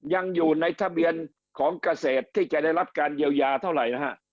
ยังอยู่ในทะเบียนของเกษตรที่จะได้รับการเยียวยาเท่าไหร่นะฮะ